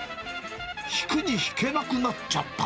引くに引けなくなっちゃった。